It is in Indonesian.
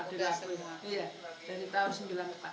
iya dari tahun sembilan puluh empat